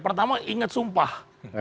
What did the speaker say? pertama ingat sumpah